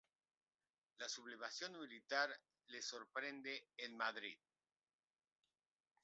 La sublevación militar le sorprende en Madrid.